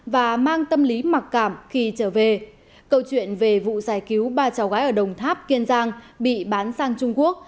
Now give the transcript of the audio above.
và mang tâm lý mặc cảm khi trở về câu chuyện về vụ giải cứu ba cháu gái ở đồng tháp kiên giang bị bán sang trung quốc